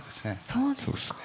そうですか。